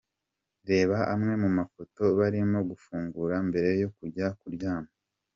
Reba amwe mu mafoto barimo gufungura mbere yo kujya kuryama.